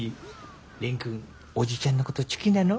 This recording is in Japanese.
蓮くんおじちゃんのことちゅきなの？